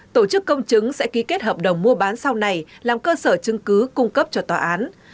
tổ chức công chứng sẽ ký kết hợp đồng mua bán sau này làm cơ sở chứng cứ cung cấp cho tòa án